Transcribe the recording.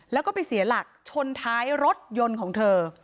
แล้วก็ไปเสียหลักชนท้ายรถยนต์ของเธอ